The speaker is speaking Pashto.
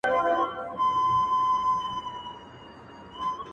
• او حافظه د انسان تر ټولو قوي شاهد پاته کيږي,